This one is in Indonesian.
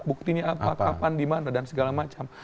buktinya apa kapan dimana dan segala macam